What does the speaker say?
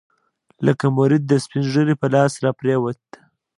لکه مريد د سپينږيري په لاس راپرېوت.